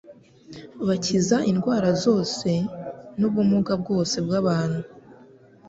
«bakiza indwara zose n'ubumuga bwose bw'abantu.»